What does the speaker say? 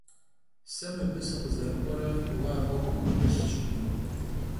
Se mıbı sıkhızerık'uere vue a 'uexum vupılhş.